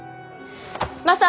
マサ！